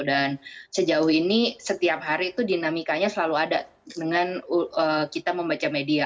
dan sejauh ini setiap hari itu dinamikanya selalu ada dengan kita membaca media